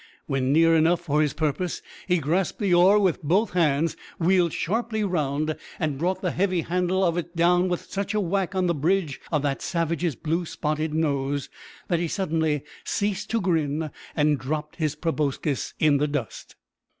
When near enough for his purpose, he grasped the oar with both hands, wheeled sharply round, and brought the heavy handle of it down with such a whack on the bridge of the savage's blue spotted nose that he suddenly ceased to grin, and dropped his proboscis in the dust!